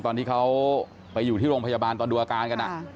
ตอนที่เขาไปอยู่ที่โรงพยาบาลตอนดูอาการกัน